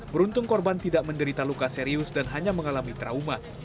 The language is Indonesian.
beruntung korban tidak menderita luka serius dan hanya mengalami trauma